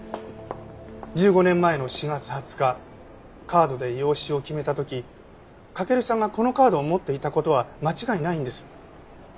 １５年前の４月２０日カードで養子を決めた時駆さんがこのカードを持っていた事は間違いないんです。